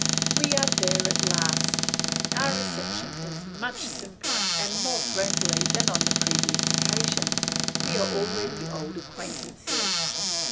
We are there at last! Our reception is much simpler and more friendly than on the previous occasion; we are already old acquaintances.